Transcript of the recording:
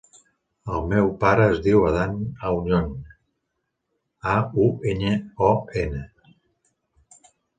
El meu pare es diu Adán Auñon: a, u, enya, o, ena.